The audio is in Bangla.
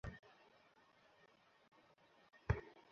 পঁচিশ বছর প্রবাসে কাটিয়ে দেশে ব্যবসা করতে নাম লেখায় শেষ সম্বলটুকু দিয়ে।